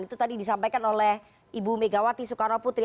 itu tadi disampaikan oleh ibu megawati soekarno putri